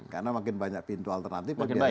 karena makin banyak pintu alternatif